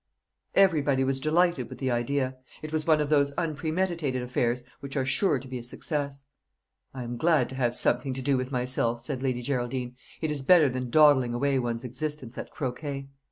Everybody was delighted with the idea. It was one of those unpremeditated affairs which are sure to be a success. "I am glad to have something to do with myself," said Lady Geraldine. "It is better than dawdling away one's existence at croquet."